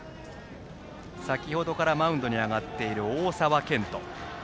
先程からマウンドに上がっている大沢健翔。